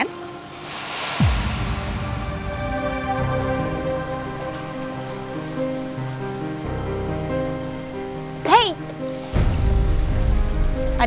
nah empat puluh menitann